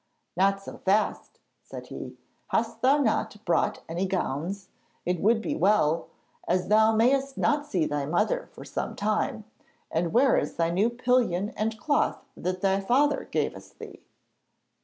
'Not so fast,' said he; 'hast thou not brought any gowns? It would be well, as thou mayst not see thy mother for some time; and where is thy new pillion and cloth that thy father gavest thee?'